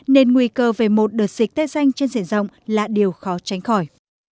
nên nguy cơ về một đợt dịch tây xanh trên diện rộng là điều khó tránh khỏi